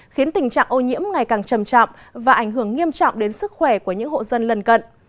khiến tình trạng ô nhiễm ngày càng trầm trọng và ảnh hưởng nghiêm trọng đến sức khỏe của những hộ dân lần cận